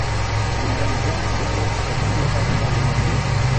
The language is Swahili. Jenerali John Mbungo atapangiwa kazi mbali na Hamduni